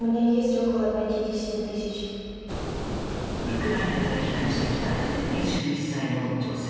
ウクライナから避難してきた２１歳の女性。